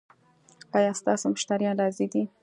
ایا ستاسو مشتریان راضي دي؟